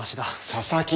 佐々木！